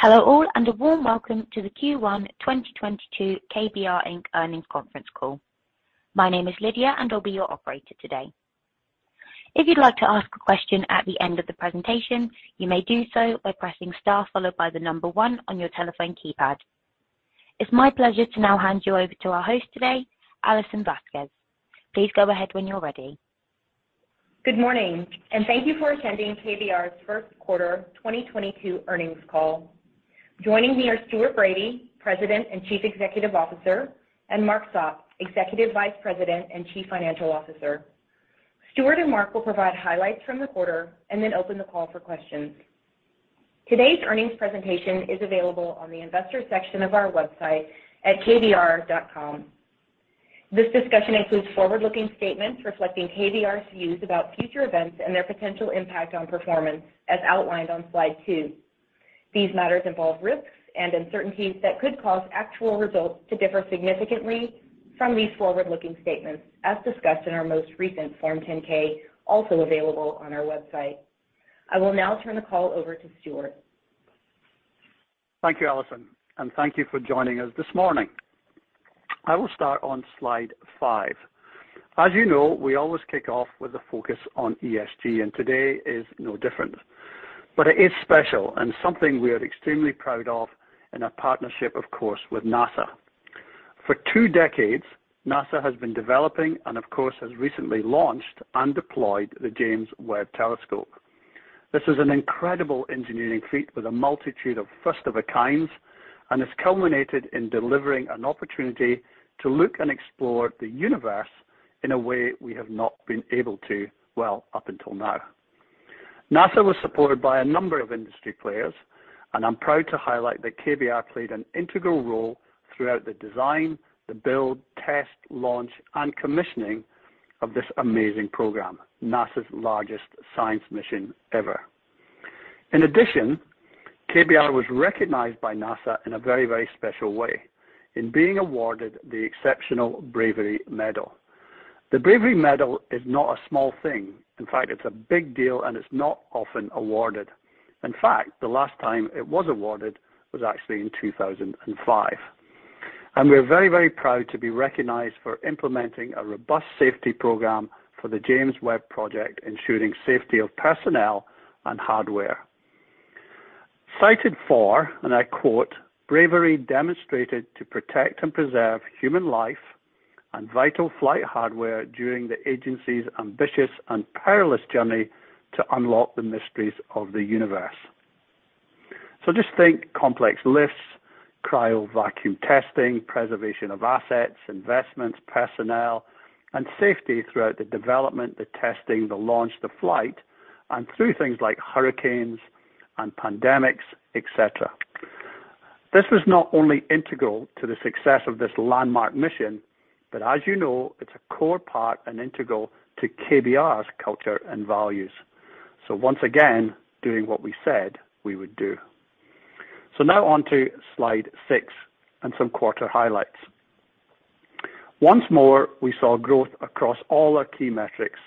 Hello all, and a warm welcome to the Q1 2022 KBR, Inc. Earnings Conference Call. My name is Lydia, and I'll be your operator today. If you'd like to ask a question at the end of the presentation, you may do so by pressing star followed by the number one on your telephone keypad. It's my pleasure to now hand you over to our host today, Alison Vasquez. Please go ahead when you're ready. Good morning, and thank you for attending KBR's first quarter 2022 earnings call. Joining me are Stuart Bradie, President and Chief Executive Officer, and Mark Sopp, Executive Vice President and Chief Financial Officer. Stuart and Mark will provide highlights from the quarter and then open the call for questions. Today's earnings presentation is available on the investor section of our website at kbr.com. This discussion includes forward-looking statements reflecting KBR's views about future events and their potential impact on performance, as outlined on slide two. These matters involve risks and uncertainties that could cause actual results to differ significantly from these forward-looking statements, as discussed in our most recent Form 10-K, also available on our website. I will now turn the call over to Stuart. Thank you, Alison, and thank you for joining us this morning. I will start on slide 5. As you know, we always kick off with a focus on ESG, and today is no different. It is special and something we are extremely proud of in our partnership, of course, with NASA. For two decades, NASA has been developing and of course has recently launched and deployed the James Webb Telescope. This is an incredible engineering feat with a multitude of first-of-a-kind, and it's culminated in delivering an opportunity to look and explore the universe in a way we have not been able to, well, up until now. NASA was supported by a number of industry players, and I'm proud to highlight that KBR played an integral role throughout the design, the build, test, launch, and commissioning of this amazing program, NASA's largest science mission ever. In addition, KBR was recognized by NASA in a very, very special way in being awarded the Exceptional Bravery Medal. The Bravery Medal is not a small thing. In fact, it's a big deal, and it's not often awarded. In fact, the last time it was awarded was actually in 2005. We're very, very proud to be recognized for implementing a robust safety program for the James Webb Project, ensuring safety of personnel and hardware. Cited for, and I quote, "Bravery demonstrated to protect and preserve human life and vital flight hardware during the agency's ambitious and perilous journey to unlock the mysteries of the universe." Just think, complex lifts, cryo vacuum testing, preservation of assets, investments, personnel, and safety throughout the development, the testing, the launch, the flight, and through things like hurricanes and pandemics, et cetera. This was not only integral to the success of this landmark mission, but as you know, it's a core part and integral to KBR's culture and values. Once again, doing what we said we would do. Now on to slide 6 and some quarter highlights. Once more, we saw growth across all our key metrics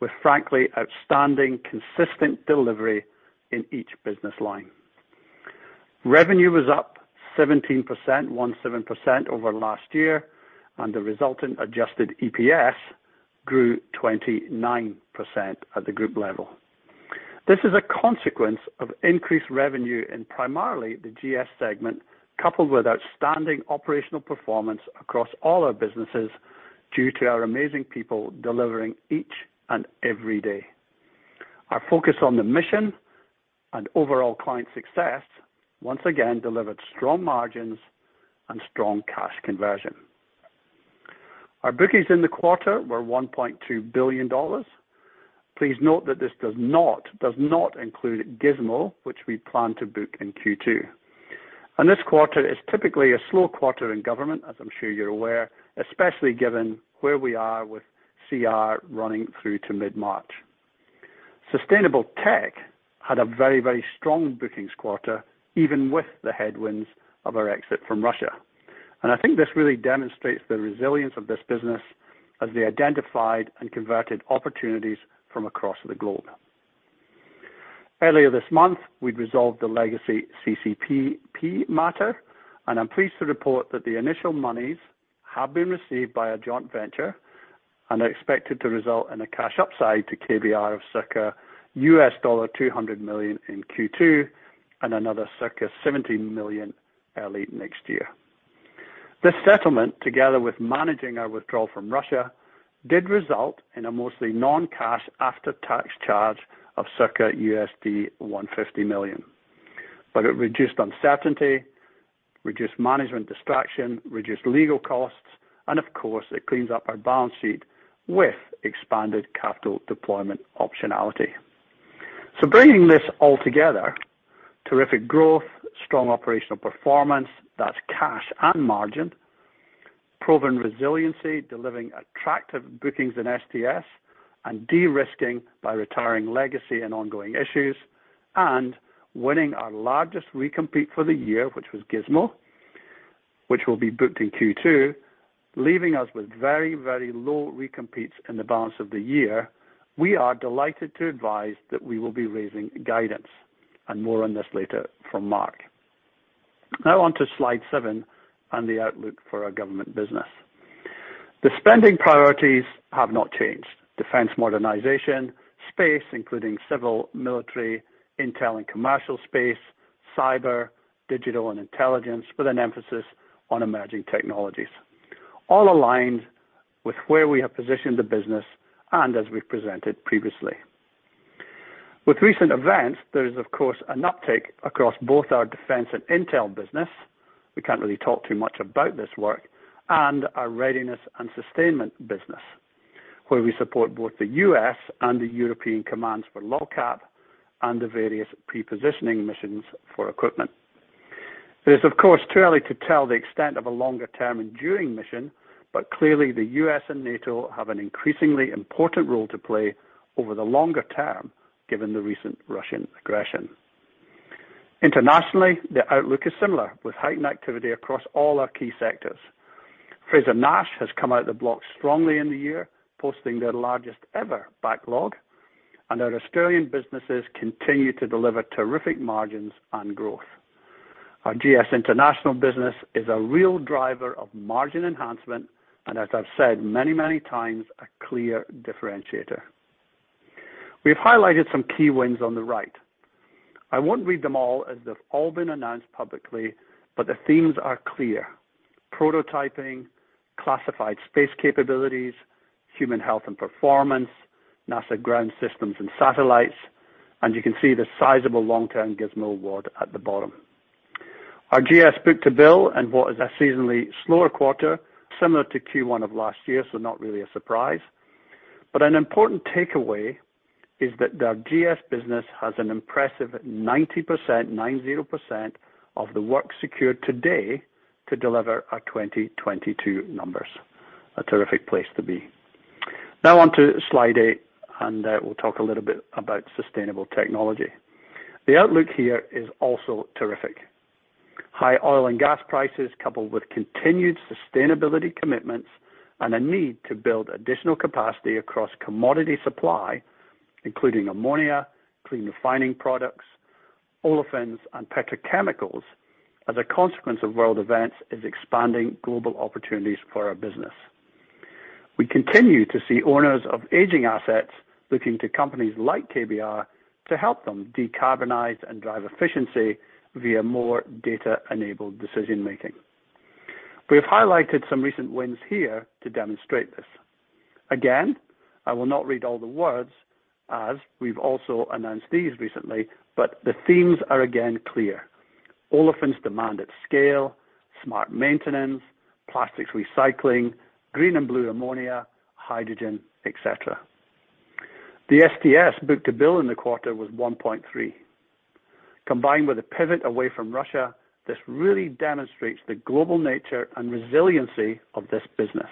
with frankly outstanding consistent delivery in each business line. Revenue was up 17%, 17% over last year, and the resultant adjusted EPS grew 29% at the group level. This is a consequence of increased revenue in primarily the GS segment, coupled with outstanding operational performance across all our businesses due to our amazing people delivering each and every day. Our focus on the mission and overall client success once again delivered strong margins and strong cash conversion. Our bookings in the quarter were $1.2 billion. Please note that this does not include GISMO, which we plan to book in Q2. This quarter is typically a slow quarter in government, as I'm sure you're aware, especially given where we are with CR running through to mid-March. Sustainable tech had a very, very strong bookings quarter, even with the headwinds of our exit from Russia. I think this really demonstrates the resilience of this business as they identified and converted opportunities from across the globe. Earlier this month, we'd resolved the legacy CCPP matter, and I'm pleased to report that the initial monies have been received by a joint venture and are expected to result in a cash upside to KBR of circa $200 million in Q2 and another circa $70 million early next year. This settlement, together with managing our withdrawal from Russia, did result in a mostly non-cash after-tax charge of circa $150 million. It reduced uncertainty, reduced management distraction, reduced legal costs, and of course, it cleans up our balance sheet with expanded capital deployment optionality. Bringing this all together, terrific growth, strong operational performance, that's cash and margin, proven resiliency, delivering attractive bookings in STS, and de-risking by retiring legacy and ongoing issues, and winning our largest recompete for the year, which was GISMO, which will be booked in Q2, leaving us with very, very low recompetes in the balance of the year. We are delighted to advise that we will be raising guidance and more on this later from Mark. Now on to slide seven and the outlook for our government business. The spending priorities have not changed. Defense modernization, space, including civil, military, intel, and commercial space, cyber, digital, and intelligence, with an emphasis on emerging technologies, all aligned with where we have positioned the business and as we've presented previously. With recent events, there is of course an uptake across both our defense and intel business. We can't really talk too much about this work and our readiness and sustainment business, where we support both the U.S. and the European commands for LOGCAP and the various prepositioning missions for equipment. It is, of course, too early to tell the extent of a longer-term enduring mission, but clearly the U.S. and NATO have an increasingly important role to play over the longer term, given the recent Russian aggression. Internationally, the outlook is similar, with heightened activity across all our key sectors. Frazer-Nash has come out of the blocks strongly in the year, posting their largest ever backlog, and our Australian businesses continue to deliver terrific margins and growth. Our GS international business is a real driver of margin enhancement, and as I've said many, many times, a clear differentiator. We've highlighted some key wins on the right. I won't read them all as they've all been announced publicly, but the themes are clear. Prototyping, classified space capabilities, human health and performance, NASA ground systems and satellites, and you can see the sizable long-term GISMO award at the bottom. Our GS book-to-bill and what is a seasonally slower quarter, similar to Q1 of last year, so not really a surprise. An important takeaway is that our GS business has an impressive 90% of the work secured today to deliver our 2022 numbers. A terrific place to be. Now on to slide 8, and we'll talk a little bit about sustainable technology. The outlook here is also terrific. High oil and gas prices, coupled with continued sustainability commitments and a need to build additional capacity across commodity supply, including ammonia, clean refining products, olefins, and petrochemicals as a consequence of world events, is expanding global opportunities for our business. We continue to see owners of aging assets looking to companies like KBR to help them decarbonize and drive efficiency via more data-enabled decision-making. We have highlighted some recent wins here to demonstrate this. Again, I will not read all the words, as we've also announced these recently, but the themes are again clear. Olefins demand at scale, smart maintenance, plastics recycling, green and blue ammonia, hydrogen, et cetera. The STS book-to-bill in the quarter was 1.3. Combined with a pivot away from Russia, this really demonstrates the global nature and resiliency of this business.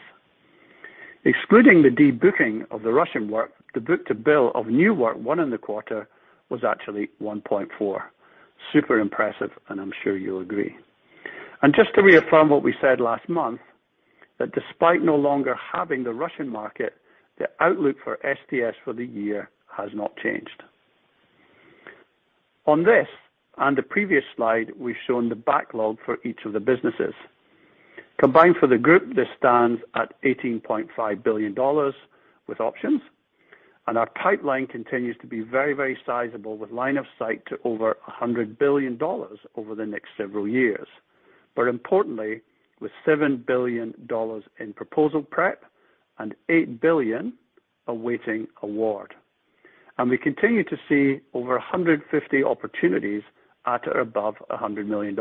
Excluding the debooking of the Russian work, the book-to-bill of new work won in the quarter was actually 1.4. Super impressive, and I'm sure you'll agree. Just to reaffirm what we said last month, that despite no longer having the Russian market, the outlook for STS for the year has not changed. On this and the previous slide, we've shown the backlog for each of the businesses. Combined for the group this stands at $18.5 billion with options, and our pipeline continues to be very, very sizable with line of sight to over $100 billion over the next several years. Importantly, with $7 billion in proposal prep and $8 billion awaiting award. We continue to see over 150 opportunities at or above $100 million.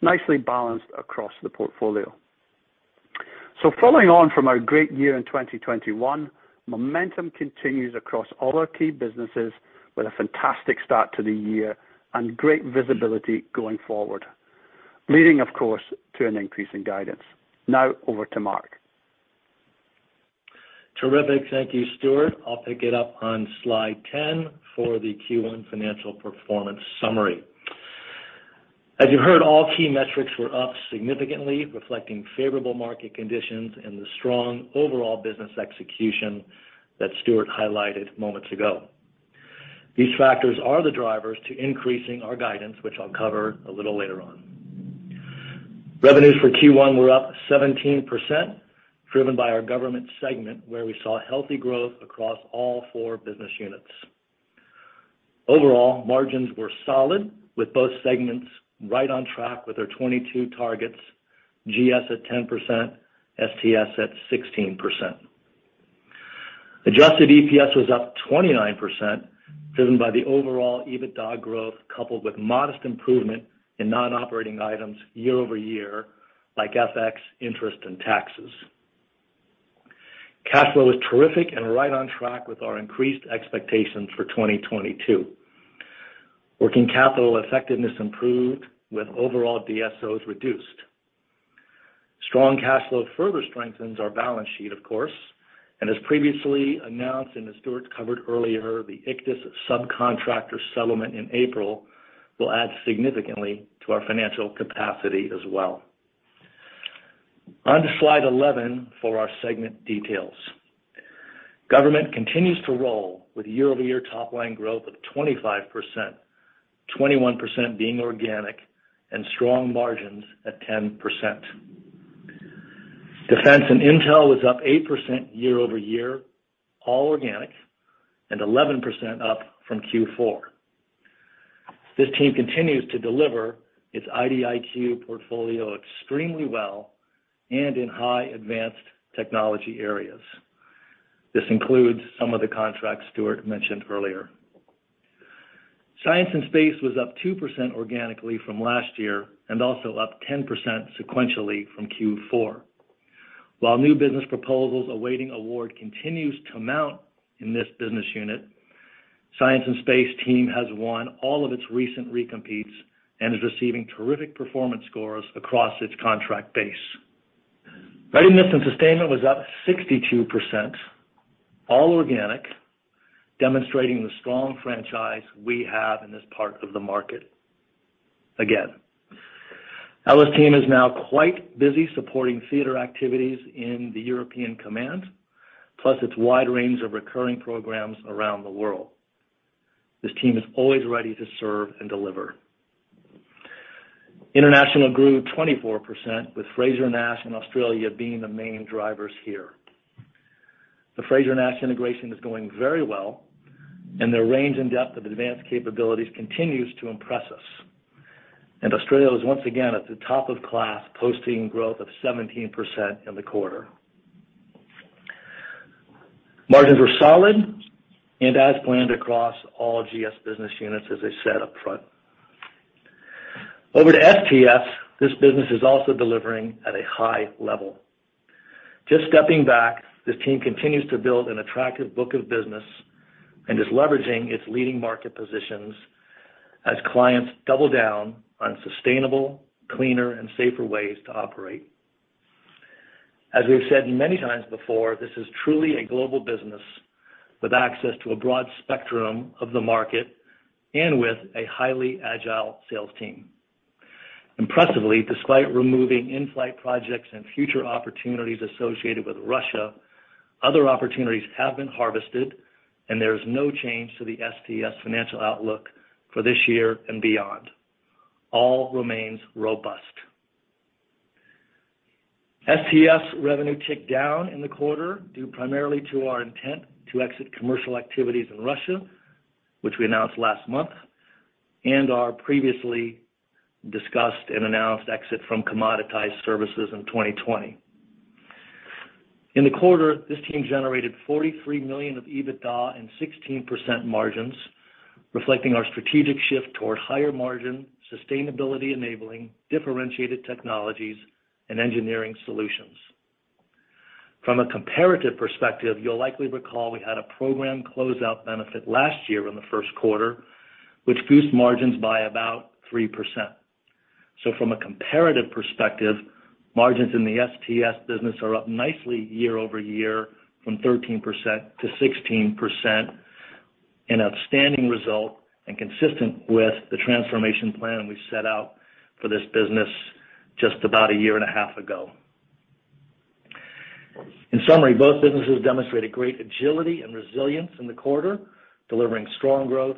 Nicely balanced across the portfolio. Following on from our great year in 2021, momentum continues across all our key businesses with a fantastic start to the year and great visibility going forward, leading of course, to an increase in guidance. Now over to Mark. Terrific. Thank you, Stuart. I'll pick it up on slide 10 for the Q1 financial performance summary. As you heard, all key metrics were up significantly, reflecting favorable market conditions and the strong overall business execution that Stuart highlighted moments ago. These factors are the drivers to increasing our guidance, which I'll cover a little later on. Revenues for Q1 were up 17%, driven by our government segment, where we saw healthy growth across all four business units. Overall, margins were solid, with both segments right on track with their 2022 targets, GS at 10%, STS at 16%. Adjusted EPS was up 29%, driven by the overall EBITDA growth, coupled with modest improvement in non-operating items year-over-year, like FX interest and taxes. Cash flow is terrific and right on track with our increased expectations for 2022. Working capital effectiveness improved with overall DSOs reduced. Strong cash flow further strengthens our balance sheet, of course, and as previously announced and as Stuart covered earlier, the ICTS subcontractor settlement in April will add significantly to our financial capacity as well. On to slide 11 for our segment details. Government continues to roll with year-over-year top-line growth of 25%, 21% being organic and strong margins at 10%. Defense and intel was up 8% year-over-year, all organic, and 11% up from Q4. This team continues to deliver its IDIQ portfolio extremely well and in high advanced technology areas. This includes some of the contracts Stuart mentioned earlier. Science and space was up 2% organically from last year and also up 10% sequentially from Q4. While new business proposals awaiting award continues to mount in this business unit, Science and Space team has won all of its recent recompetes and is receiving terrific performance scores across its contract base. Readiness and Sustainment was up 62%, all organic, demonstrating the strong franchise we have in this part of the market. Again, R&S team is now quite busy supporting theater activities in the European Command, plus its wide range of recurring programs around the world. This team is always ready to serve and deliver. International grew 24%, with Frazer-Nash in Australia being the main drivers here. The Frazer-Nash integration is going very well, and their range and depth of advanced capabilities continues to impress us. Australia is once again at the top of class, posting growth of 17% in the quarter. Margins were solid and as planned across all GS business units, as I said up front. Over to STS. This business is also delivering at a high level. Just stepping back, this team continues to build an attractive book of business and is leveraging its leading market positions as clients double down on sustainable, cleaner and safer ways to operate. As we've said many times before, this is truly a global business with access to a broad spectrum of the market and with a highly agile sales team. Impressively, despite removing in-flight projects and future opportunities associated with Russia, other opportunities have been harvested, and there is no change to the STS financial outlook for this year and beyond. All remains robust. STS revenue ticked down in the quarter, due primarily to our intent to exit commercial activities in Russia, which we announced last month, and our previously discussed and announced exit from commoditized services in 2020. In the quarter, this team generated $43 million of EBITDA and 16% margins, reflecting our strategic shift toward higher margin, sustainability-enabling differentiated technologies and engineering solutions. From a comparative perspective, you'll likely recall we had a program closeout benefit last year in the first quarter, which boosted margins by about 3%. From a comparative perspective, margins in the STS business are up nicely year-over-year from 13% to 16%, an outstanding result and consistent with the transformation plan we set out for this business just about a year and a half ago. In summary, both businesses demonstrated great agility and resilience in the quarter, delivering strong growth,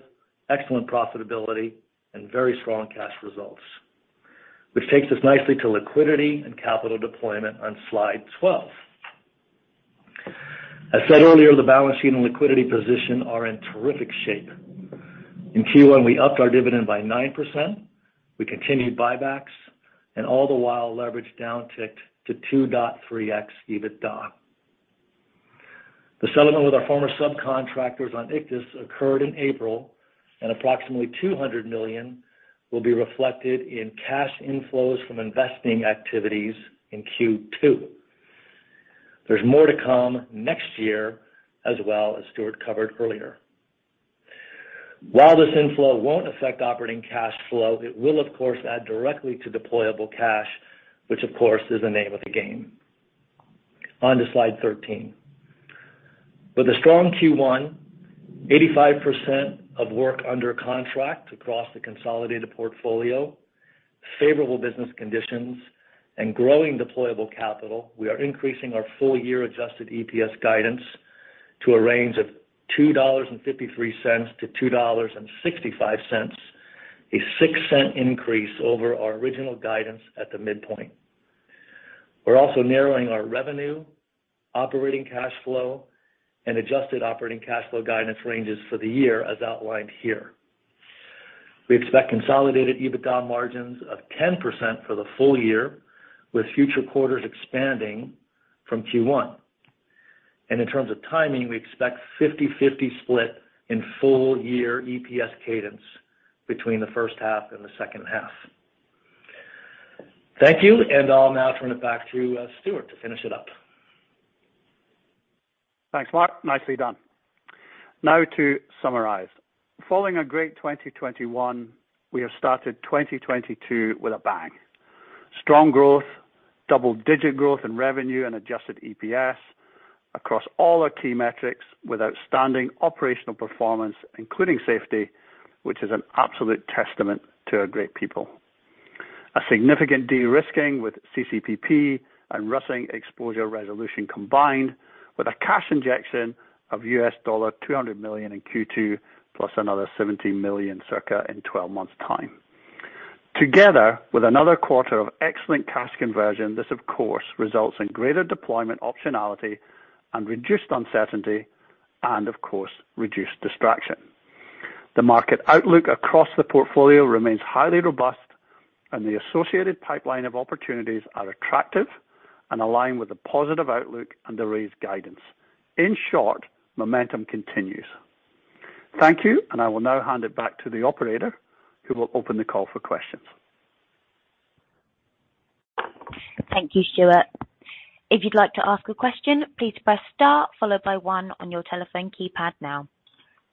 excellent profitability, and very strong cash results, which takes us nicely to liquidity and capital deployment on slide 12. As said earlier, the balance sheet and liquidity position are in terrific shape. In Q1, we upped our dividend by 9%, we continued buybacks, and all the while, leverage downticked to 2.3x EBITDA. The settlement with our former subcontractors on ICTS occurred in April, and approximately $200 million will be reflected in cash inflows from investing activities in Q2. There's more to come next year as well, as Stuart covered earlier. While this inflow won't affect operating cash flow, it will of course add directly to deployable cash, which of course is the name of the game. On to slide 13. With a strong Q1, 85% of work under contract across the consolidated portfolio, favorable business conditions, and growing deployable capital, we are increasing our full year adjusted EPS guidance to a range of $2.53-$2.65, a 6-cent increase over our original guidance at the midpoint. We're also narrowing our revenue, operating cash flow, and adjusted operating cash flow guidance ranges for the year as outlined here. We expect consolidated EBITDA margins of 10% for the full year, with future quarters expanding from Q1. In terms of timing, we expect 50/50 split in full year EPS cadence between the first half and the second half. Thank you, and I'll now turn it back to Stuart to finish it up. Thanks, Mark. Nicely done. Now to summarize. Following a great 2021, we have started 2022 with a bang. Strong growth, double-digit growth in revenue and adjusted EPS across all our key metrics with outstanding operational performance, including safety, which is an absolute testament to our great people. A significant de-risking with CCPP and Rössing exposure resolution combined with a cash injection of $200 million in Q2, plus another $70 million circa in twelve months' time. Together with another quarter of excellent cash conversion, this of course results in greater deployment optionality and reduced uncertainty and of course reduced distraction. The market outlook across the portfolio remains highly robust and the associated pipeline of opportunities are attractive and align with the positive outlook and the raised guidance. In short, momentum continues. Thank you. I will now hand it back to the operator, who will open the call for questions. Thank you, Stuart. If you'd like to ask a question, please press star followed by one on your telephone keypad now.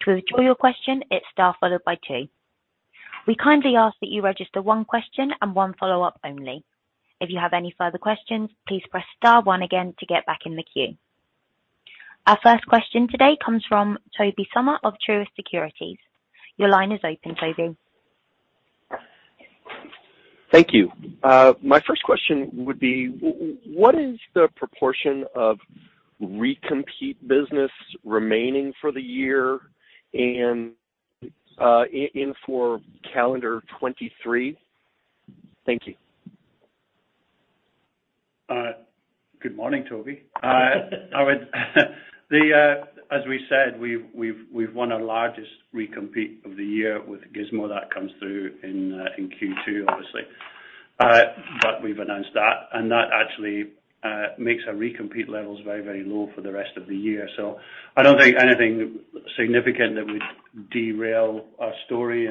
To withdraw your question, it's star followed by two. We kindly ask that you register one question and one follow-up only. If you have any further questions, please press star one again to get back in the queue. Our first question today comes from Tobey Sommer of Truist Securities. Your line is open, Toby. Thank you. My first question would be what is the proportion of recompete business remaining for the year and for calendar 2023? Thank you. Good morning, Toby. As we said, we've won our largest recompete of the year with GISMO-3 that comes through in Q2, obviously. But we've announced that, and that actually makes our recompete levels very low for the rest of the year. I don't think anything significant that would derail our story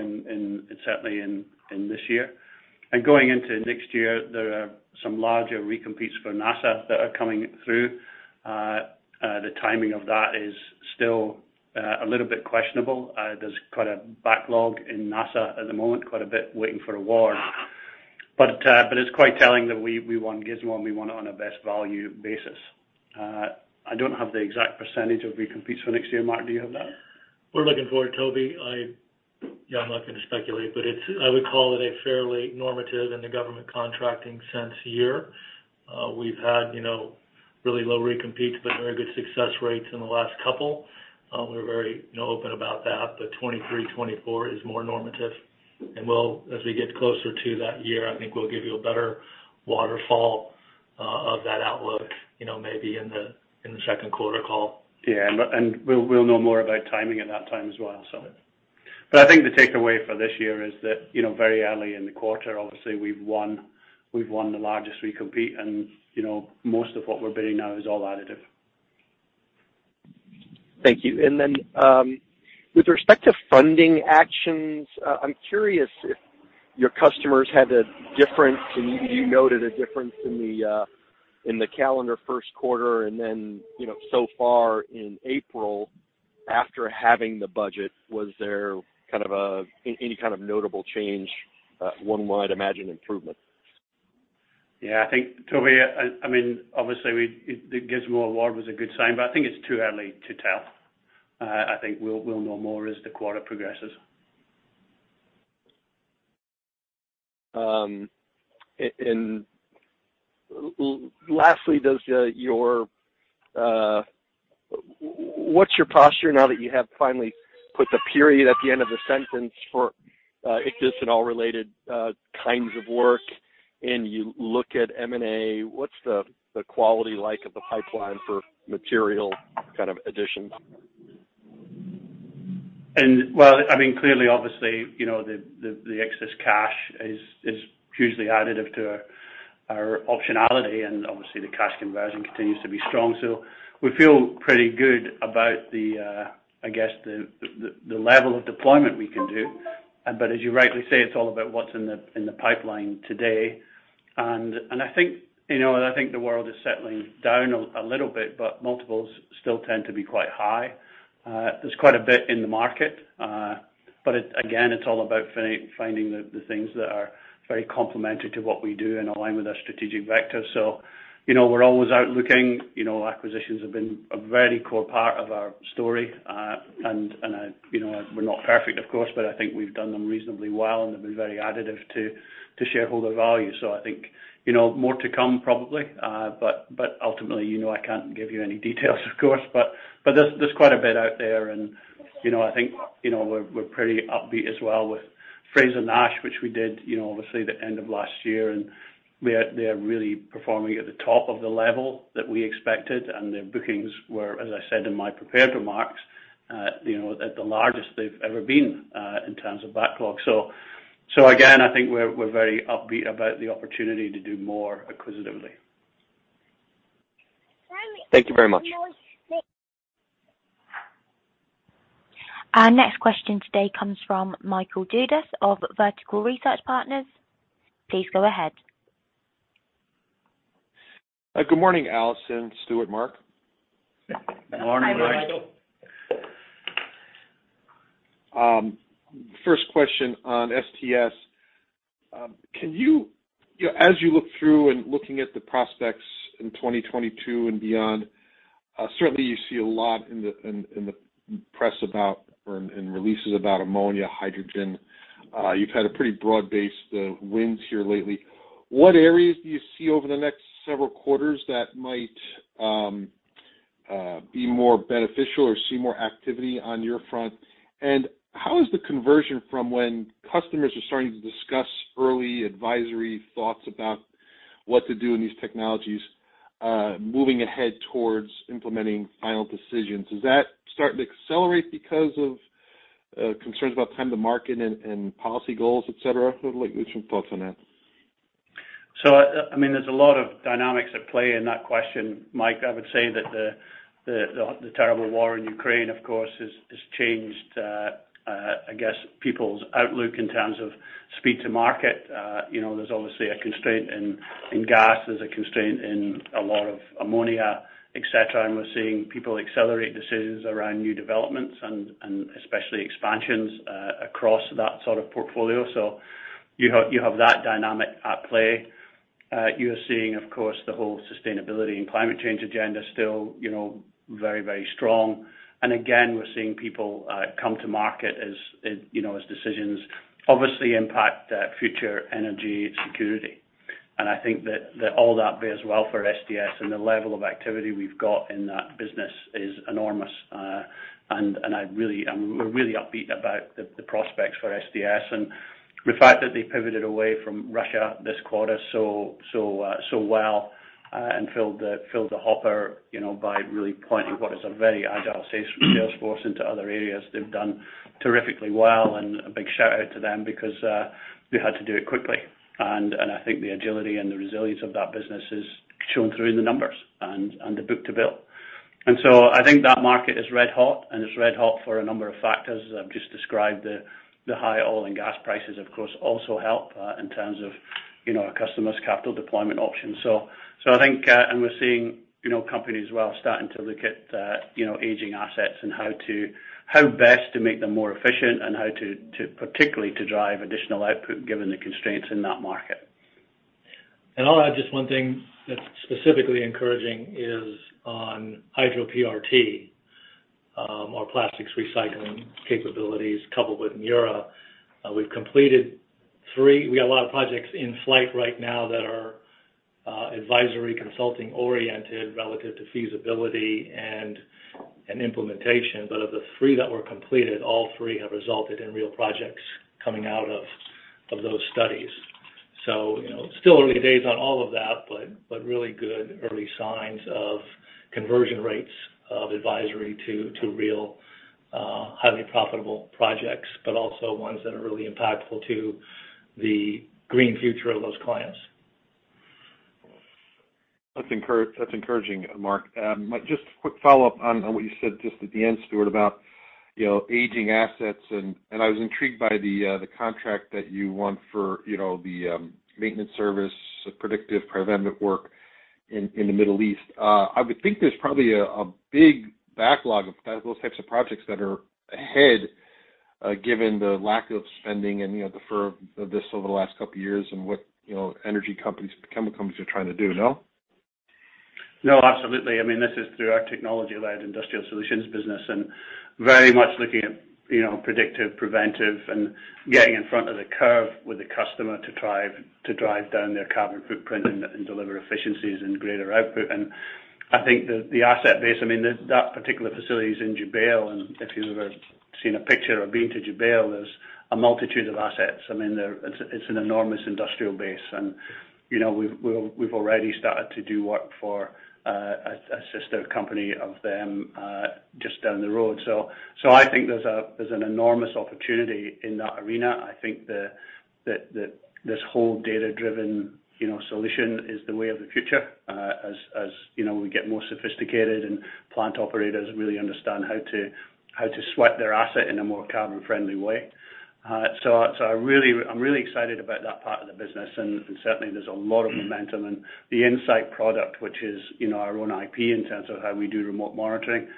certainly in this year. Going into next year, there are some larger recompetes for NASA that are coming through. The timing of that is still a little bit questionable. There's quite a backlog in NASA at the moment, quite a bit waiting for award. But it's quite telling that we won GISMO-3 and we won it on a best value basis. I don't have the exact percentage of recompetes for next year. Mark, do you have that? We're looking forward, Toby. Yeah, I'm not gonna speculate, but I would call it a fairly normative, in the government contracting sense, year. We've had, you know, really low recompetes, but very good success rates in the last couple. We're very, you know, open about that, but 2023, 2024 is more normative. We'll, as we get closer to that year, I think we'll give you a better waterfall of that outlook, you know, maybe in the second quarter call. Yeah. We'll know more about timing at that time as well, so. I think the takeaway for this year is that, you know, very early in the quarter, obviously we've won the largest recompete and, you know, most of what we're bidding now is all additive. Thank you. With respect to funding actions, I'm curious if your customers had a difference, and you noted a difference in the calendar first quarter and then, you know, so far in April after having the budget, was there kind of a any kind of notable change? One wide imagined improvement. I think, Toby, I mean, obviously, the GISMO-3 award was a good sign, but I think it's too early to tell. I think we'll know more as the quarter progresses. Lastly, what's your posture now that you have finally put the period at the end of the sentence for excess and all related kinds of work and you look at M&A, what's the quality like of the pipeline for material kind of additions? Well, I mean, clearly, obviously, you know, the excess cash is hugely additive to our optionality. Obviously the cash conversion continues to be strong. We feel pretty good about the level of deployment we can do. But as you rightly say, it's all about what's in the pipeline today. I think, you know, I think the world is settling down a little bit, but multiples still tend to be quite high. There's quite a bit in the market. But again, it's all about finding the things that are very complementary to what we do and align with our strategic vector. You know, we're always out looking. Acquisitions have been a very core part of our story. you know, we're not perfect, of course, but I think we've done them reasonably well, and they've been very additive to shareholder value. I think, you know, more to come probably. ultimately, you know, I can't give you any details, of course, but there's quite a bit out there and, you know, I think, you know, we're pretty upbeat as well with Frazer-Nash, which we did, you know, obviously the end of last year. they're really performing at the top of the level that we expected and their bookings were, as I said in my prepared remarks, you know, at the largest they've ever been, in terms of backlog. again, I think we're very upbeat about the opportunity to do more acquisitively. Thank you very much. Our next question today comes from Michael Dudas of Vertical Research Partners. Please go ahead. Good morning, Alison, Stuart, Mark. Good morning, Michael. Hi, Michael. First question on STS. Can you, as you look through and looking at the prospects in 2022 and beyond, certainly you see a lot in the press about or in releases about ammonia, hydrogen. You've had a pretty broad-based wins here lately. What areas do you see over the next several quarters that might be more beneficial or see more activity on your front? And how is the conversion from when customers are starting to discuss early advisory thoughts about what to do in these technologies moving ahead towards implementing final decisions? Is that starting to accelerate because of concerns about time to market and policy goals, et cetera? I'd like to get some thoughts on that. I mean, there's a lot of dynamics at play in that question, Mike. I would say that the terrible war in Ukraine, of course, has changed, I guess, people's outlook in terms of speed to market. You know, there's obviously a constraint in gas. There's a constraint in a lot of ammonia, et cetera. We're seeing people accelerate decisions around new developments and especially expansions across that sort of portfolio. You have that dynamic at play. You are seeing, of course, the whole sustainability and climate change agenda still, you know, very strong. Again, we're seeing people come to market as it, you know, as decisions obviously impact future energy security. I think that all that bodes well for STS and the level of activity we've got in that business is enormous. We're really upbeat about the prospects for STS. The fact that they pivoted away from Russia this quarter so well and filled the hopper, you know, by really pointing what is a very agile sales force into other areas. They've done terrifically well, and a big shout out to them because they had to do it quickly. I think the agility and the resilience of that business is shown through in the numbers and the book to bill. I think that market is red hot, and it's red hot for a number of factors that I've just described. The high oil and gas prices, of course, also help in terms of, you know, our customers' capital deployment options. I think, and we're seeing, you know, companies as well starting to look at, you know, aging assets and how best to make them more efficient and how to particularly drive additional output given the constraints in that market. I'll add just one thing that's specifically encouraging is on Hydro-PRT, our plastics recycling capabilities coupled with Mura. We've completed three. We got a lot of projects in flight right now that are advisory consulting oriented relative to feasibility and implementation. But of the three that were completed, all three have resulted in real projects coming out of those studies. You know, still early days on all of that, but really good early signs of conversion rates of advisory to real, highly profitable projects, but also ones that are really impactful to the green future of those clients. That's encouraging, Mark. Just a quick follow-up on what you said just at the end, Stuart, about, you know, aging assets, and I was intrigued by the contract that you won for, you know, the maintenance service, predictive preventive work in the Middle East. I would think there's probably a big backlog of those types of projects that are ahead, given the lack of spending and, you know, the firming up over the last couple of years and what, you know, energy companies, chemical companies are trying to do. No? No, absolutely. I mean, this is through our technology-led industrial solutions business, and very much looking at, you know, predictive, preventive, and getting in front of the curve with the customer to drive down their carbon footprint and deliver efficiencies and greater output. I think the asset base, I mean, that particular facility is in Jubail. If you've ever seen a picture or been to Jubail, there's a multitude of assets. I mean, it's an enormous industrial base. You know, we've already started to do work for a sister company of them just down the road. I think there's an enormous opportunity in that arena. I think that this whole data-driven, you know, solution is the way of the future, as you know, we get more sophisticated and plant operators really understand how to sweat their asset in a more carbon-friendly way. I'm really excited about that part of the business. Certainly there's a lot of momentum. The INSITE product, which is, you know, our own IP in terms of how we do remote monitoring,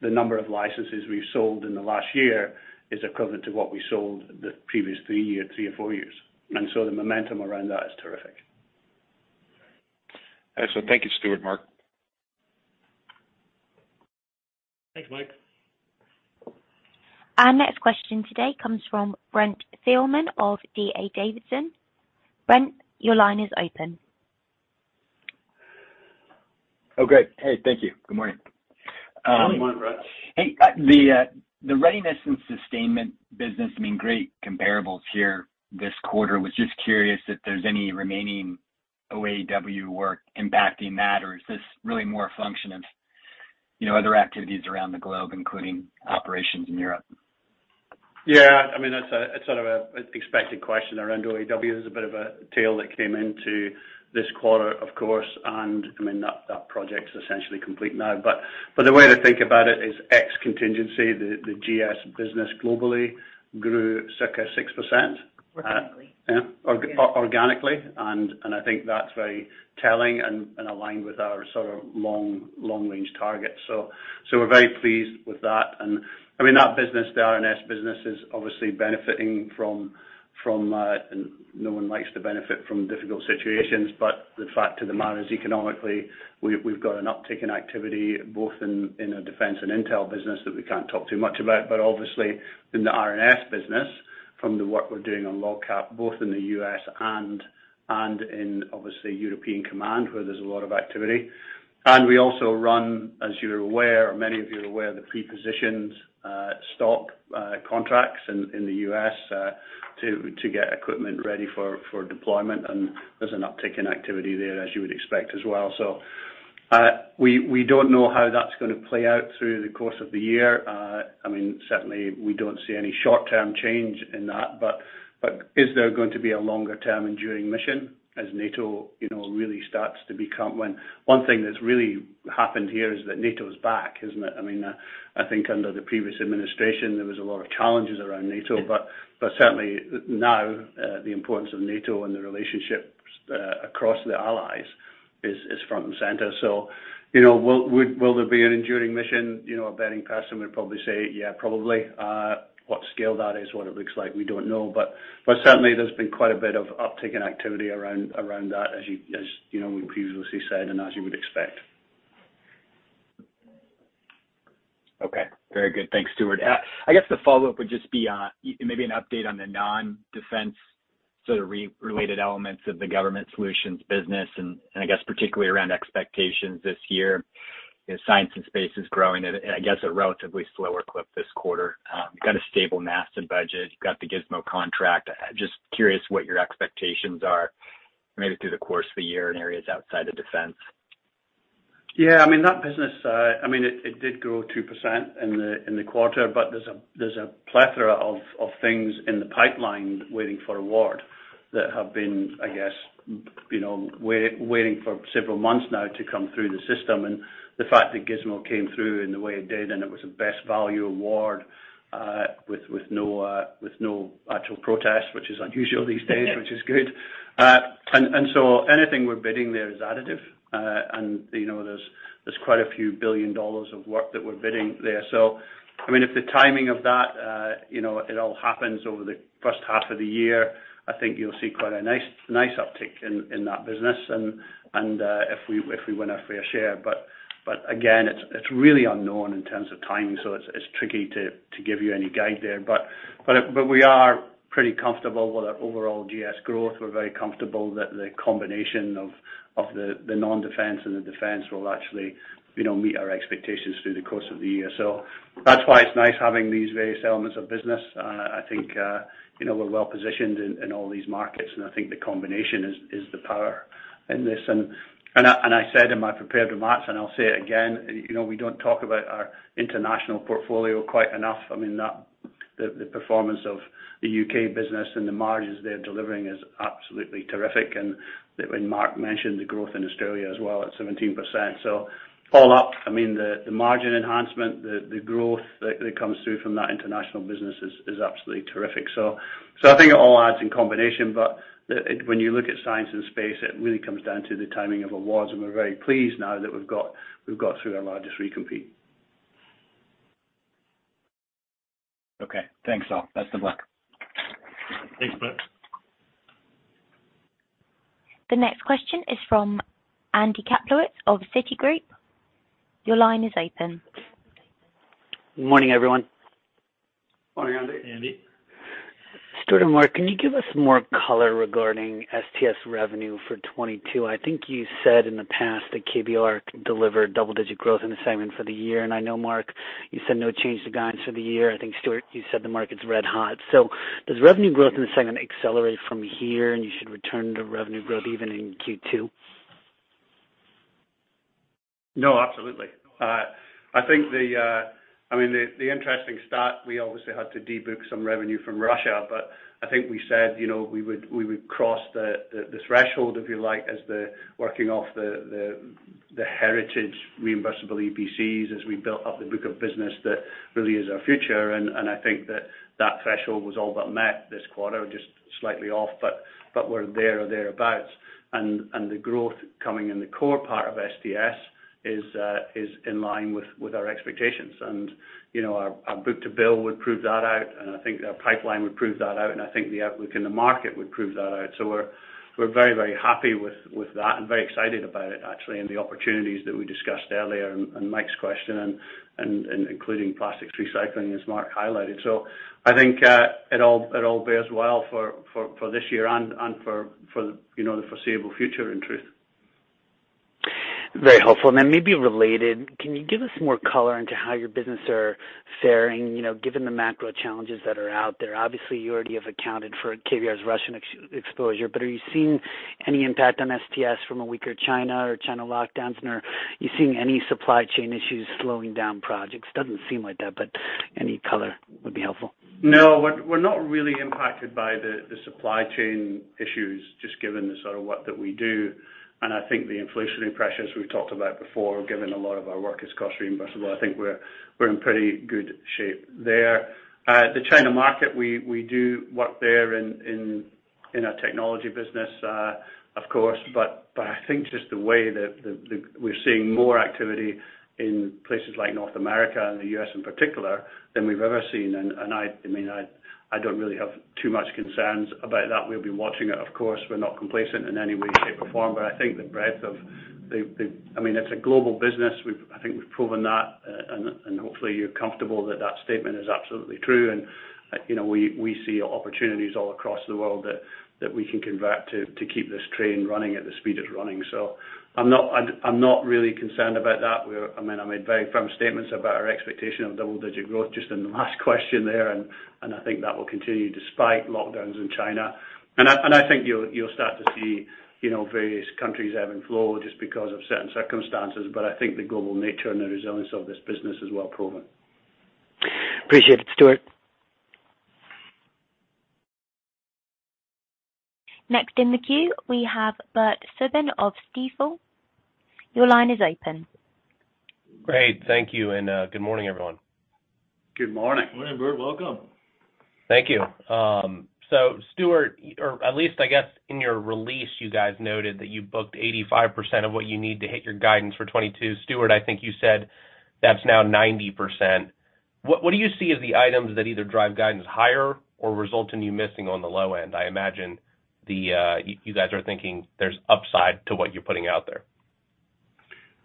the number of licenses we've sold in the last year is equivalent to what we sold the previous three or four years. The momentum around that is terrific. Excellent. Thank you, Stuart, Mark. Thanks, Mike. Our next question today comes from Brent Thielman of D.A. Davidson. Brent, your line is open. Oh, great. Hey, thank you. Good morning. Good morning, Brent. Hey, the Readiness and Sustainment business, I mean, great comparables here this quarter. Was just curious if there's any remaining OAW work impacting that, or is this really more a function of, you know, other activities around the globe, including operations in Europe? Yeah, I mean, that's sort of an expected question around OAW. There's a bit of a tail that came into this quarter, of course, and I mean, that project's essentially complete now. The way to think about it is ex contingency, the GS business globally grew circa 6%. Organically. Yeah, organically. I think that's very telling and aligned with our sort of long-range targets. We're very pleased with that. I mean, that business, the R&S business is obviously benefiting from. No one likes to benefit from difficult situations, but the fact of the matter is, economically, we've got an uptick in activity, both in a defense and intel business that we can't talk too much about. Obviously in the R&S business, from the work we're doing on LOGCAP, both in the U.S. and in European Command, where there's a lot of activity. We also run, as you're aware, or many of you are aware, the pre-positioned stock contracts in the U.S. to get equipment ready for deployment. There's an uptick in activity there, as you would expect as well. We don't know how that's gonna play out through the course of the year. I mean, certainly we don't see any short-term change in that. Is there going to be a longer term enduring mission as NATO, you know, really starts to become one? One thing that's really happened here is that NATO's back, isn't it? I mean, I think under the previous administration, there was a lot of challenges around NATO. Certainly now, the importance of NATO and the relationships across the allies is front and center. You know, will there be an enduring mission? You know, a betting person would probably say, yeah, probably. What scale that is, what it looks like, we don't know. Certainly, there's been quite a bit of uptick in activity around that, as you know, we previously said, and as you would expect. Okay. Very good. Thanks, Stuart. I guess the follow-up would just be maybe an update on the non-defense sort of related elements of the government solutions business and I guess particularly around expectations this year. You know, science and space is growing at, I guess, a relatively slower clip this quarter. You've got a stable NASA budget, you've got the GISMO contract. Just curious what your expectations are maybe through the course of the year in areas outside of defense. Yeah, I mean, that business, I mean, it did grow 2% in the quarter, but there's a plethora of things in the pipeline waiting for award that have been, I guess, you know, waiting for several months now to come through the system. The fact that GISMO came through in the way it did, and it was a best value award, with no actual protest, which is unusual these days, which is good. Anything we're bidding there is additive. You know, there's quite a few billion dollars of work that we're bidding there. I mean, if the timing of that, you know, it all happens over the first half of the year, I think you'll see quite a nice uptick in that business and if we win our fair share. Again, it's really unknown in terms of timing, so it's tricky to give you any guide there. We are pretty comfortable with our overall GS growth. We're very comfortable that the combination of the non-defense and the defense will actually, you know, meet our expectations through the course of the year. That's why it's nice having these various elements of business. I think, you know, we're well positioned in all these markets, and I think the combination is the power in this. I said in my prepared remarks, and I'll say it again, you know, we don't talk about our international portfolio quite enough. I mean, the performance of the UK business and the margins they're delivering is absolutely terrific. When Mark mentioned the growth in Australia as well at 17%. All up, I mean, the margin enhancement, the growth that comes through from that international business is absolutely terrific. I think it all adds in combination, but when you look at science and space, it really comes down to the timing of awards, and we're very pleased now that we've got through our largest recompete. Okay. Thanks all. Best of luck. Thanks, Brent. The next question is from Andy Kaplowitz of Citigroup. Your line is open. Good morning, everyone. Morning, Andy. Andy. Stuart and Mark, can you give us more color regarding STS revenue for 2022? I think you said in the past that KBR delivered double-digit growth in the segment for the year. I know, Mark, you said no change to guidance for the year. I think, Stuart, you said the market's red-hot. Does revenue growth in the segment accelerate from here, and you should return to revenue growth even in Q2? No, absolutely. I think, I mean, the interesting stat, we obviously had to de-book some revenue from Russia, but I think we said, you know, we would cross the threshold, if you like, as we're working off the heritage reimbursable EPCs as we built up the book of business that really is our future. I think that threshold was all but met this quarter, just slightly off, but we're there or thereabouts. The growth coming in the core part of STS is in line with our expectations. You know, our book to bill would prove that out, and I think our pipeline would prove that out, and I think the outlook in the market would prove that out. We're very happy with that and very excited about it, actually, and the opportunities that we discussed earlier in Mike's question and including plastics recycling, as Mark highlighted. I think it all bears well for this year and for you know the foreseeable future, in truth. Very helpful. Then maybe related, can you give us more color into how your business are faring, you know, given the macro challenges that are out there? Obviously, you already have accounted for KBR's Russian exposure, but are you seeing any impact on STS from a weaker China or China lockdowns? Are you seeing any supply chain issues slowing down projects? Doesn't seem like that, but any color would be helpful. No, we're not really impacted by the supply chain issues just given the sort of work that we do. I think the inflationary pressures we've talked about before, given a lot of our work is cost reimbursable, I think we're in pretty good shape there. The China market, we do work there in our technology business, of course. I think just the way that we're seeing more activity in places like North America and the U.S. in particular than we've ever seen. I mean, I don't really have too much concerns about that. We'll be watching it, of course. We're not complacent in any way, shape, or form. I think the breadth of the. I mean, it's a global business. I think we've proven that. Hopefully you're comfortable that that statement is absolutely true. You know, we see opportunities all across the world that we can convert to keep this train running at the speed it's running. I'm not really concerned about that. I mean, I made very firm statements about our expectation of double-digit growth just in the last question there. I think that will continue despite lockdowns in China. I think you'll start to see, you know, various countries ebb and flow just because of certain circumstances. I think the global nature and the resilience of this business is well proven. Appreciate it, Stuart. Next in the queue, we have Bert Subin of Stifel. Your line is open. Great. Thank you. Good morning, everyone. Good morning. Morning, Bert, welcome. Thank you. Stuart, or at least I guess in your release, you guys noted that you booked 85% of what you need to hit your guidance for 2022. Stuart, I think you said that's now 90%. What do you see as the items that either drive guidance higher or result in you missing on the low end? I imagine you guys are thinking there's upside to what you're putting out there.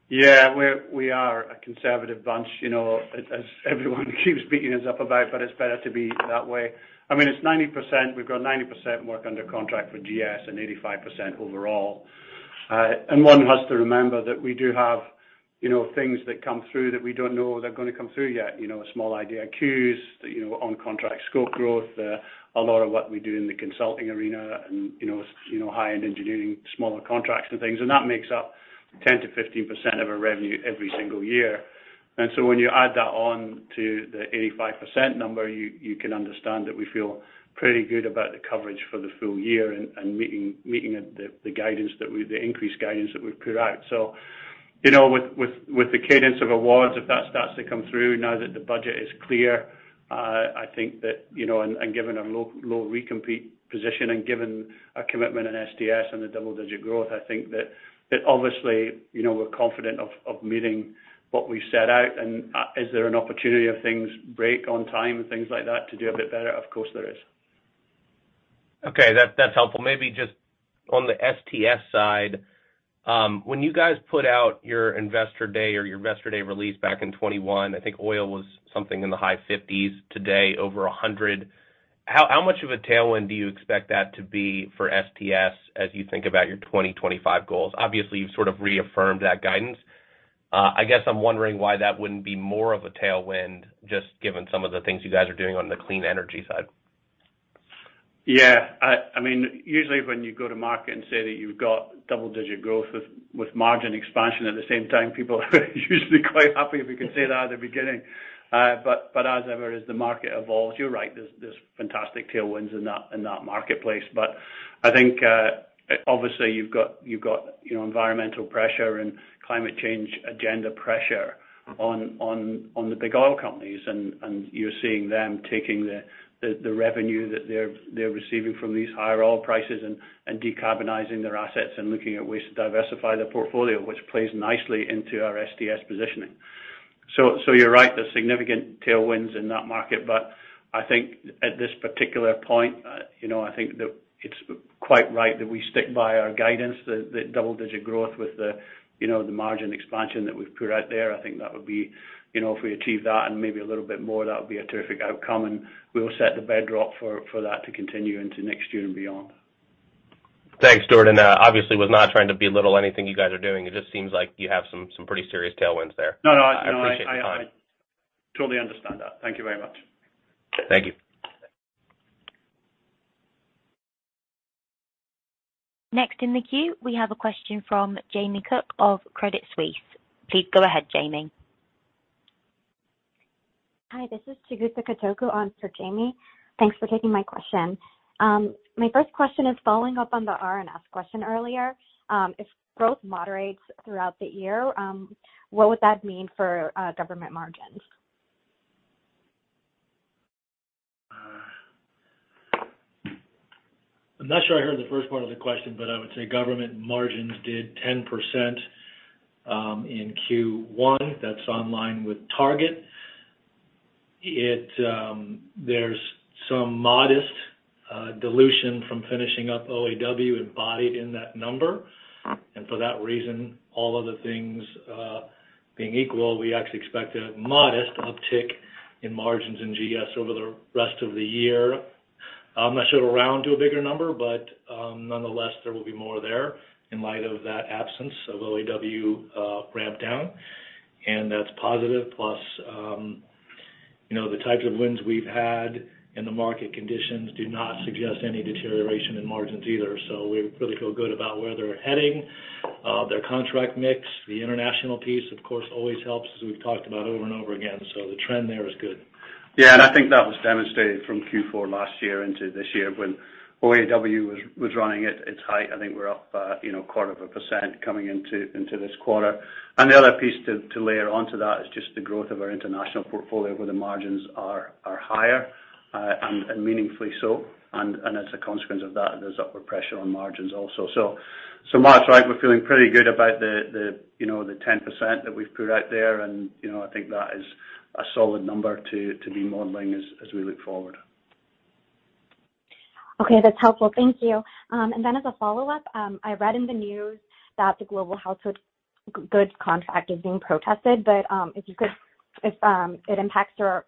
Yeah, we are a conservative bunch, you know, as everyone keeps beating us up about, but it's better to be that way. I mean, it's 90%. We've got 90% work under contract for GS and 85% overall. One has to remember that we do have, you know, things that come through that we don't know they're gonna come through yet. You know, small IDIQs, you know, on contract scope growth, a lot of what we do in the consulting arena and, you know, high-end engineering, smaller contracts and things. That makes up 10%-15% of our revenue every single year. When you add that on to the 85% number, you can understand that we feel pretty good about the coverage for the full year and meeting it, the increased guidance that we've put out. You know, with the cadence of awards, if that starts to come through now that the budget is clear, I think that, you know, given our low recompete position and given our commitment in STS and the double-digit growth, I think that obviously, you know, we're confident of meeting what we set out. Is there an opportunity if things break on time and things like that to do a bit better? Of course, there is. Okay. That's helpful. Maybe just on the STS side, when you guys put out your investor day or your investor day release back in 2021, I think oil was something in the high $50s, today over $100. How much of a tailwind do you expect that to be for STS as you think about your 2025 goals? Obviously, you've sort of reaffirmed that guidance. I guess I'm wondering why that wouldn't be more of a tailwind just given some of the things you guys are doing on the clean energy side. Yeah. I mean, usually when you go to market and say that you've got double-digit growth with margin expansion at the same time, people are usually quite happy if you can say that at the beginning. As ever, as the market evolves, you're right, there's fantastic tailwinds in that marketplace. I think, obviously, you've got you know, environmental pressure and climate change agenda pressure on the big oil companies. You're seeing them taking the revenue that they're receiving from these higher oil prices and decarbonizing their assets and looking at ways to diversify their portfolio, which plays nicely into our STS positioning. You're right, there's significant tailwinds in that market. I think at this particular point, you know, I think that it's quite right that we stick by our guidance, the double-digit growth with the, you know, the margin expansion that we've put out there. I think that would be, you know, if we achieve that and maybe a little bit more, that would be a terrific outcome, and we will set the backdrop for that to continue into next year and beyond. Thanks, Stuart. Obviously was not trying to belittle anything you guys are doing. It just seems like you have some pretty serious tailwinds there. No, no. I appreciate your time. I totally understand that. Thank you very much. Thank you. Next in the queue, we have a question from Jamie Cook of Credit Suisse. Please go ahead, Jamie. Hi, this is Chigusa Katoku on for Jamie. Thanks for taking my question. My first question is following up on the R&S question earlier. If growth moderates throughout the year, what would that mean for government margins? I'm not sure I heard the first part of the question, but I would say government margins did 10% in Q1. That's in line with target. There's some modest dilution from finishing up OAW embodied in that number. For that reason, all of the things. Being equal, we actually expect a modest uptick in margins in GS over the rest of the year. I should round to a bigger number, but, nonetheless, there will be more there in light of that absence of OAW ramp down. That's positive plus, you know, the types of wins we've had and the market conditions do not suggest any deterioration in margins either. We really feel good about where they're heading, their contract mix, the international piece, of course, always helps, as we've talked about over and over again. The trend there is good. Yeah. I think that was demonstrated from Q4 last year into this year when OAW was running at its height. I think we're up, you know, 0.25% coming into this quarter. The other piece to layer onto that is just the growth of our international portfolio, where the margins are higher and meaningfully so. As a consequence of that, there's upward pressure on margins also. So Mark's right. We're feeling pretty good about the, you know, the 10% that we've put out there. You know, I think that is a solid number to be modeling as we look forward. Okay, that's helpful. Thank you. As a follow-up, I read in the news that the Global Household Goods Contract is being protested, but if it impacts your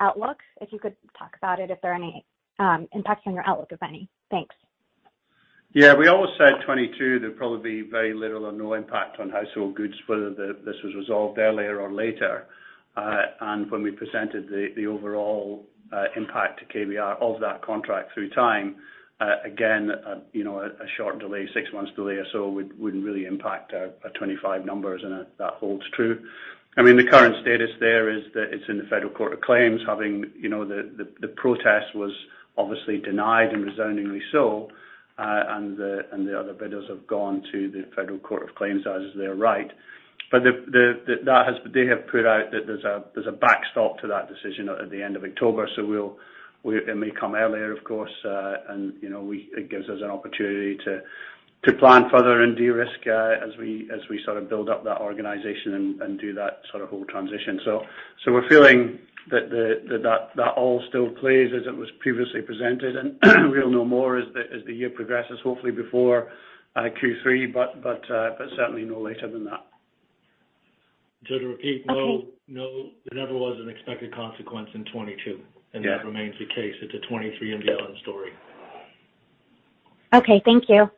outlooks, if you could talk about it, if there are any impacts on your outlook, if any. Thanks. We always said 2022, there'd probably be very little or no impact on household goods, whether this was resolved earlier or later. When we presented the overall impact to KBR of that contract through time, again, you know, a short delay, six months delay or so wouldn't really impact our 2025 numbers, and that holds true. I mean, the current status there is that it's in the U.S. Court of Federal Claims, the protest was obviously denied and resoundingly so, and the other bidders have gone to the U.S. Court of Federal Claims, as is their right. They have put out that there's a backstop to that decision at the end of October. It may come earlier, of course, and, you know, it gives us an opportunity to plan further and de-risk, as we sort of build up that organization and do that sort of whole transition. We're feeling that all still plays as it was previously presented. We'll know more as the year progresses, hopefully before Q3, but certainly no later than that. To repeat. Okay. No, no. There never was an expected consequence in 2022. Yeah. That remains the case. It's a 2023 and beyond story. Okay. Thank you.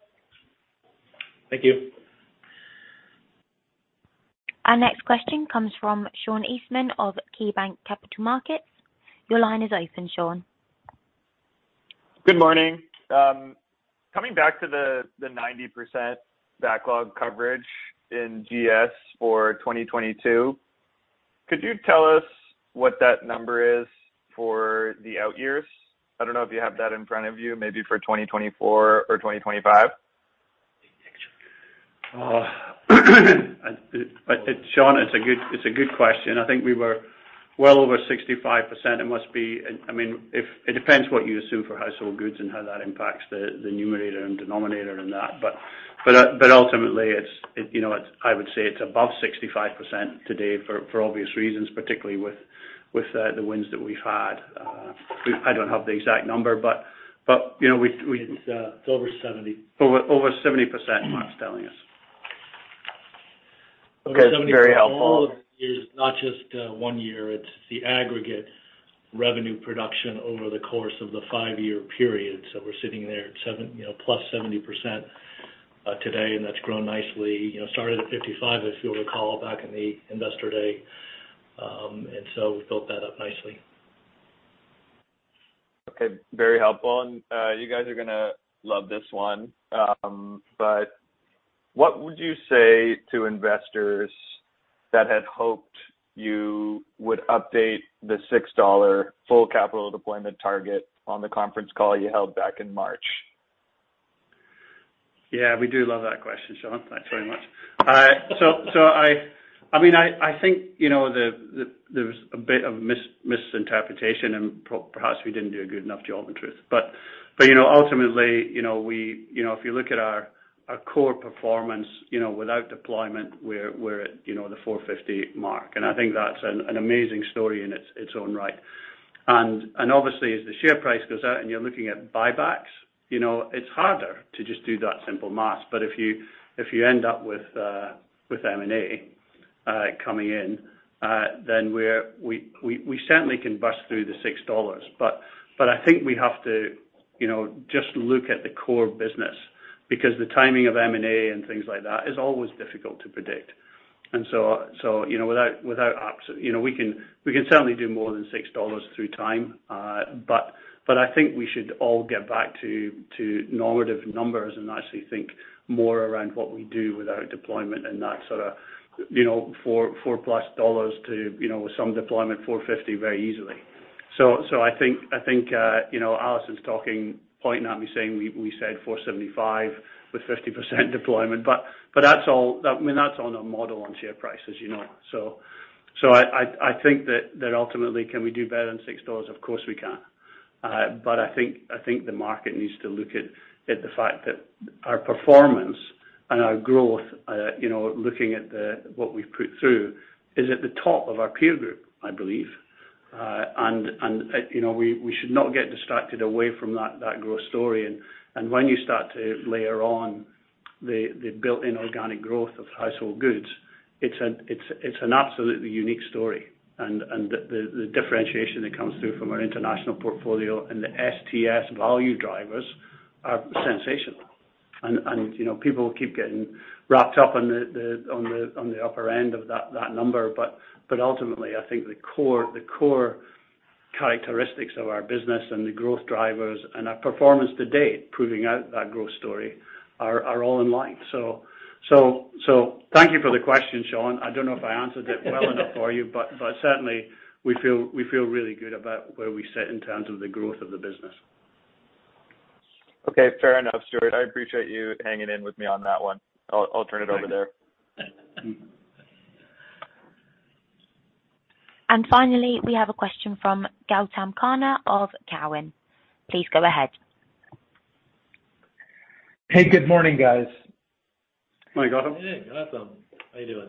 Thank you. Our next question comes from Sean Eastman of KeyBanc Capital Markets. Your line is open, Sean. Good morning. Coming back to the 90% backlog coverage in GS for 2022, could you tell us what that number is for the out years? I don't know if you have that in front of you, maybe for 2024 or 2025. Sean, it's a good question. I think we were well over 65%. It must be. I mean, if it depends what you assume for household goods and how that impacts the numerator and denominator in that. Ultimately it's, you know, it's above 65% today for obvious reasons, particularly with the wins that we've had. I don't have the exact number, but you know, we. It's over 70. Over 70%, Mark's telling us. Okay. It's very helpful. Over 70% all is not just one year, it's the aggregate revenue production over the course of the five-year period. We're sitting there at 70+%, you know, today, and that's grown nicely. You know, started at 55, if you'll recall, back in the Investor Day. We've built that up nicely. Okay. Very helpful. You guys are gonna love this one. What would you say to investors that had hoped you would update the $6 full capital deployment target on the conference call you held back in March? Yeah, we do love that question, Sean. Thanks very much. I mean, I think, you know, there was a bit of misinterpretation and perhaps we didn't do a good enough job, in truth. Ultimately, you know, we you know if you look at our core performance, you know, without deployment, we're at, you know, the $4.50 mark. I think that's an amazing story in its own right. Obviously, as the share price goes up and you're looking at buybacks, you know, it's harder to just do that simple math. If you end up with M&A coming in, then we certainly can bust through the $6. I think we have to, you know, just look at the core business because the timing of M&A and things like that is always difficult to predict. So you know, without absolute, you know, we can certainly do more than $6 over time. I think we should all get back to normative numbers and actually think more around what we do without deployment and that sort of, you know, $4+ to, you know, with some deployment, $4.50 very easily. I think, you know, Alison's talking, pointing at me saying we said $4.75 with 50% deployment. That's all, I mean, that's on a model on share prices, you know. I think that ultimately, can we do better than $6? Of course, we can. I think the market needs to look at the fact that our performance and our growth, you know, looking at what we've put through, is at the top of our peer group, I believe. You know, we should not get distracted away from that growth story. When you start to layer on the built-in organic growth of Household Goods, it's an absolutely unique story. The differentiation that comes through from our international portfolio and the STS value drivers are sensational. You know, people keep getting wrapped up in the upper end of that number. Ultimately, I think the core characteristics of our business and the growth drivers and our performance to date proving out that growth story are all in line. Thank you for the question, Sean. I don't know if I answered it well enough for you. Certainly we feel really good about where we sit in terms of the growth of the business. Okay, fair enough, Stuart. I appreciate you hanging in with me on that one. I'll turn it over there. Thanks. Finally, we have a question from Gautam Khanna of Cowen. Please go ahead. Hey, good morning, guys. Good morning, Gautam. Hey, Gautam. How you doing?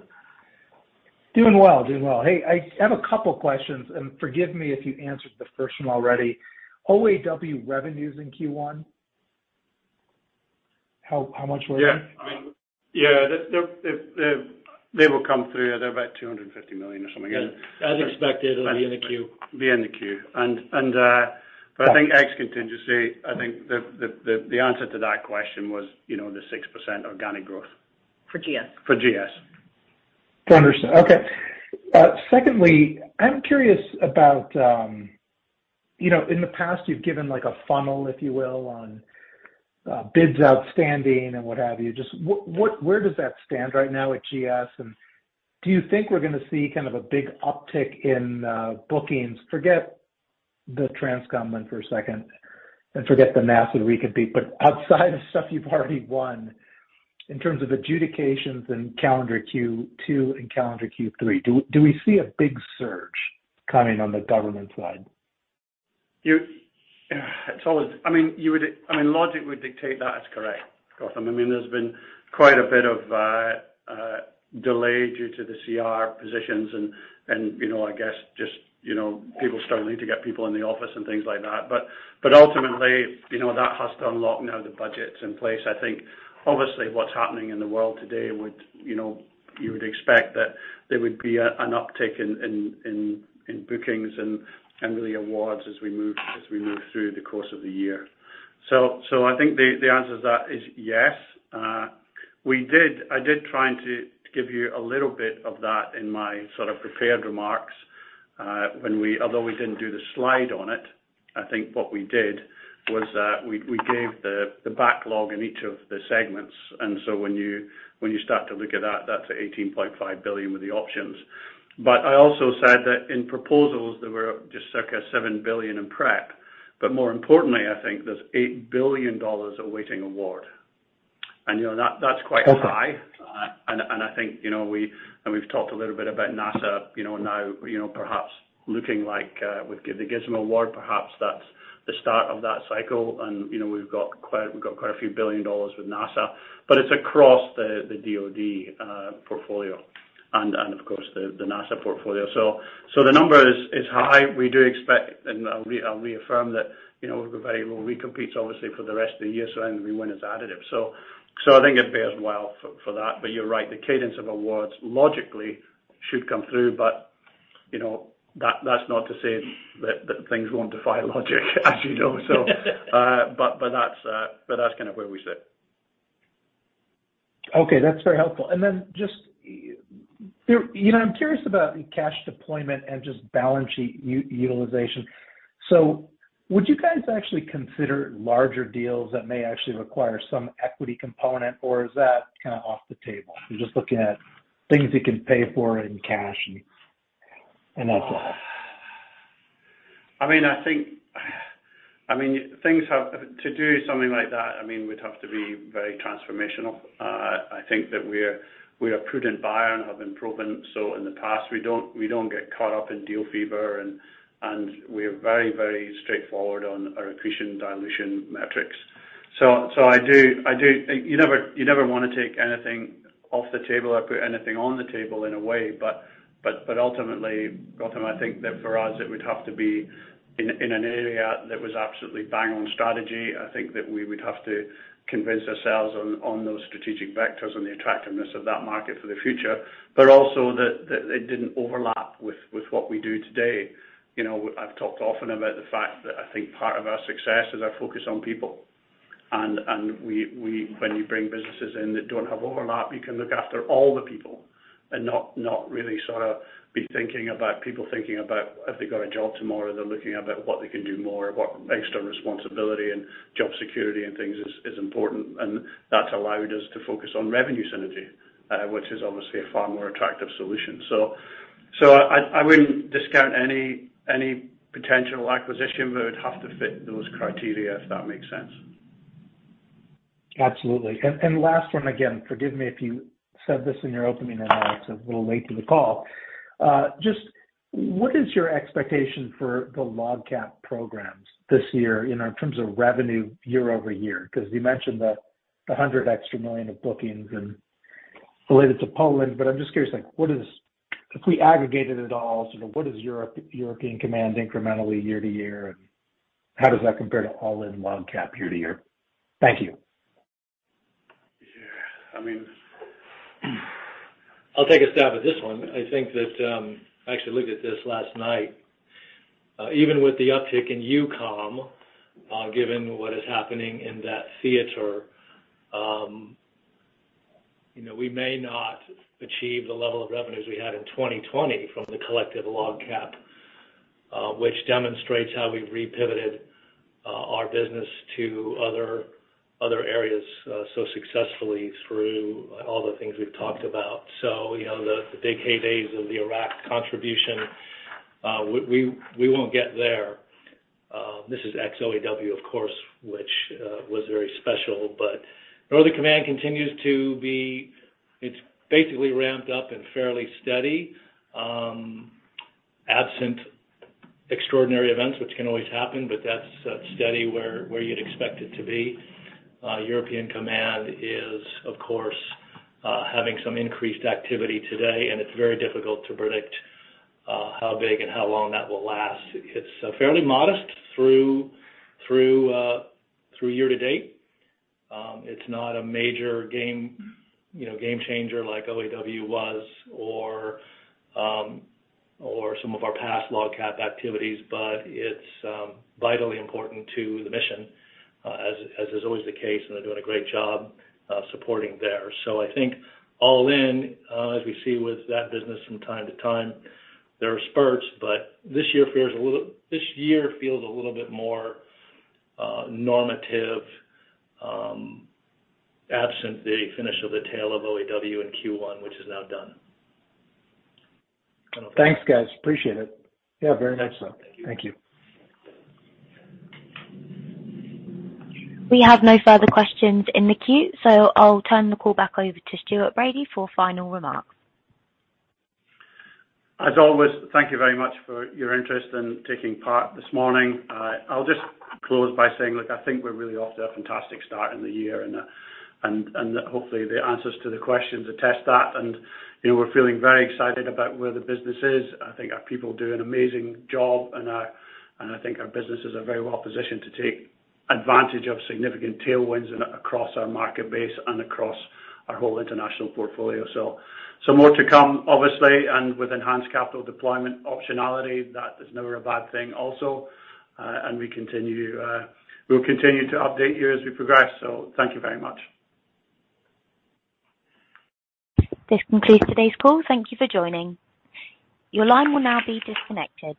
Doing well. Hey, I have a couple questions, and forgive me if you answered the first one already. OAW revenues in Q1, how much was it? Yeah. I mean, yeah. They will come through. They're about $250 million or something. As expected, it'll be in the Q. Been in the queue. But I think ex contingency, I think the answer to that question was, you know, the 6% organic growth. For GS. For GS. Okay. Secondly, I'm curious about, you know, in the past, you've given like a funnel, if you will, on bids outstanding and what have you. Just what where does that stand right now at GS? And do you think we're gonna see kind of a big uptick in bookings? Forget the TRANSCOM win for a second, and forget the massive recompete. Outside of stuff you've already won, in terms of adjudications in calendar Q2 and calendar Q3, do we see a big surge coming on the government side? I mean, logic would dictate that as correct, Gautam. I mean, there's been quite a bit of delay due to the CR positions and, you know, I guess just, you know, people struggling to get people in the office and things like that. But ultimately, you know, that has to unlock now the budget's in place. I think obviously what's happening in the world today would, you know, you would expect that there would be an uptick in bookings and really awards as we move through the course of the year. I think the answer to that is yes. I did try to give you a little bit of that in my sort of prepared remarks, although we didn't do the slide on it. I think what we did was that we gave the backlog in each of the segments. When you start to look at that's $18.5 billion with the options. I also said that in proposals there were just circa $7 billion in prep. More importantly, I think there's $8 billion awaiting award. You know, that's quite high. Okay. I think, you know, we've talked a little bit about NASA, you know, now, you know, perhaps looking like with the GISS award, perhaps that's the start of that cycle. And, you know, we've got $ a few billion with NASA, but it's across the DoD portfolio and of course the NASA portfolio. So the number is high. We do expect, and I'll reaffirm that, you know, we've got very low recompetes obviously for the rest of the year. So anything we win is additive. So I think it bears well for that. But you're right, the cadence of awards logically should come through. But you know, that's not to say that things won't defy logic as you know. That's kind of where we sit. Okay. That's very helpful. Then just, you know, I'm curious about cash deployment and just balance sheet utilization. Would you guys actually consider larger deals that may actually require some equity component, or is that kind of off the table? You're just looking at things you can pay for in cash and that's that. I mean, I think to do something like that would have to be very transformational. I think that we're a prudent buyer and have been proven so in the past. We don't get caught up in deal fever and we're very straightforward on our accretion dilution metrics. I do. You never wanna take anything off the table or put anything on the table in a way. Ultimately, Gautam, I think that for us it would have to be in an area that was absolutely bang on strategy. I think that we would have to convince ourselves on those strategic vectors and the attractiveness of that market for the future. Also that it didn't overlap with what we do today. You know, I've talked often about the fact that I think part of our success is our focus on people. When you bring businesses in that don't have overlap, you can look after all the people and not really sort of be thinking about people thinking about have they got a job tomorrow. They're looking about what they can do more, what extra responsibility and job security and things is important. That's allowed us to focus on revenue synergy, which is obviously a far more attractive solution. I wouldn't discount any potential acquisition, but it would have to fit those criteria, if that makes sense. Absolutely. Last one, again, forgive me if you said this in your opening remarks. I'm a little late to the call. Just what is your expectation for the LOGCAP programs this year, you know, in terms of revenue year-over-year? Because you mentioned the $100 million of bookings and related to Poland, but I'm just curious, like what is if we aggregated it all, sort of what is European Command incrementally year-to-year, and how does that compare to all-in LOGCAP year-to-year? Thank you. Yeah. I mean, I'll take a stab at this one. I think that, I actually looked at this last night. Even with the uptick in EUCOM, given what is happening in that theater, you know, we may not achieve the level of revenues we had in 2020 from the collective LOGCAP, which demonstrates how we've re-pivoted our business to other areas so successfully through all the things we've talked about. You know, the big heydays of the Iraq contribution, we won't get there. This is ex OAW, of course, which was very special. Northern Command continues to be. It's basically ramped up and fairly steady, absent extraordinary events, which can always happen, but that's steady where you'd expect it to be. European Command is of course having some increased activity today, and it's very difficult to predict how big and how long that will last. It's fairly modest through year to date. It's not a major game, you know, game changer like OAW was or some of our past LOGCAP activities, but it's vitally important to the mission as is always the case, and they're doing a great job supporting there. I think all in as we see with that business from time to time, there are spurts, but this year feels a little bit more normative absent the finish of the tail of OAW in Q1, which is now done. Thanks, guys. Appreciate it. Yeah, very much so. Thank you. Thank you. We have no further questions in the queue, so I'll turn the call back over to Stuart Bradie for final remarks. As always, thank you very much for your interest in taking part this morning. I'll just close by saying, look, I think we're really off to a fantastic start in the year and hopefully the answers to the questions attest that. You know, we're feeling very excited about where the business is. I think our people do an amazing job, and I think our businesses are very well positioned to take advantage of significant tailwinds and across our market base and across our whole international portfolio. More to come obviously, and with enhanced capital deployment optionality, that is never a bad thing also. We'll continue to update you as we progress. Thank you very much. This concludes today's call. Thank you for joining. Your line will now be disconnected.